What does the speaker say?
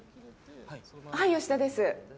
はい吉田です。